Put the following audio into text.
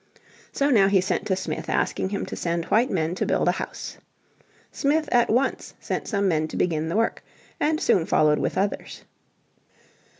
So now he sent to Smith asking him to send white men to build a house. Smith at once sent some men to begin the work, and soon followed with others.